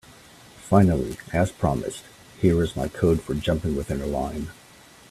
Finally, as promised, here is my code for jumping within a line.